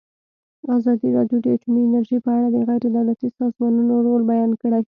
ازادي راډیو د اټومي انرژي په اړه د غیر دولتي سازمانونو رول بیان کړی.